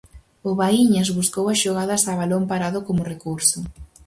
O Baíñas buscou as xogadas a balón parado como recurso.